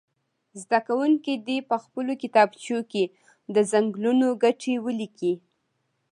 زده کوونکي دې په خپلو کتابچو کې د څنګلونو ګټې ولیکي.